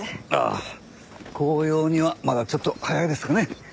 紅葉にはまだちょっと早いですかね？